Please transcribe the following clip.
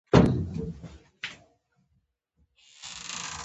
د انیلا غېږه په دې واورین جهنم کې جنت وه